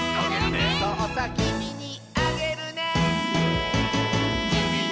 「そうさきみにあげるね」